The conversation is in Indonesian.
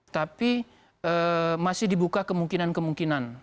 tapi masih dibuka kemungkinan kemungkinan